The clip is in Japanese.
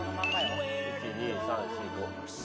１２３４５。